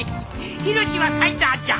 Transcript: ヒロシはサイダーじゃ。